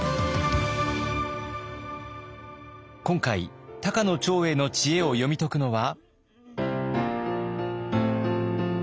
今回高野長英の知恵を読み解くのは。